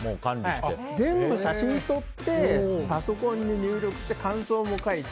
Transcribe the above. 全部、写真を撮ってパソコンに入力して感想も書いて